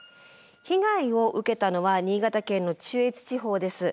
被害を受けたのは新潟県の中越地方です。